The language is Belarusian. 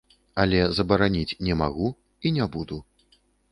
Але забараніць не магу і не буду.